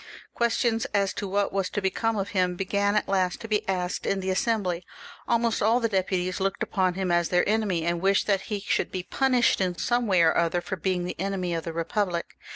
Questions as to what was to become of him began at last to be asked in the Assembly ; almost all the deputies looked upon him as their enemy, and wished that he should be punished in some way or other for being the enemy of the Eepublic.